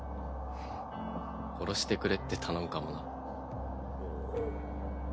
ふっ殺してくれって頼むかもな。